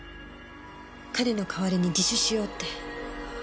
彼の代わりに自首しようって。